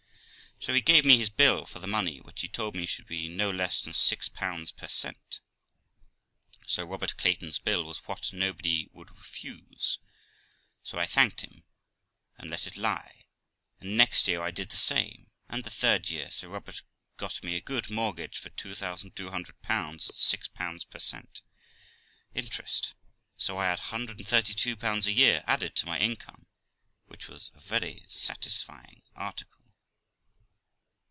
So he gave me his bill for the money, which he told me should be no less than ,6 per cent. Sir Robert Clayton's bill was what nobody would refuse, so I thanked him, and let it lie; and next year I did the same, and the third year Sir Robert got me a good mortgage for 2200 at 6 per cent, interest. So I had 132 a year added to my income, which was a very satisfying article.